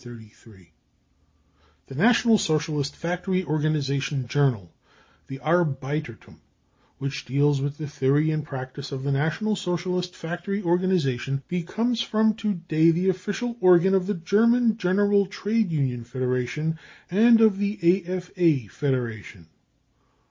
44 The National Socialist Factory Organisation journal, the Arbeitertum , which deals with the theory and prac tice of the National Socialist Factory Organisation, becomes from to day the official organ of the German General Trade Union Federation and of the AFA Federation.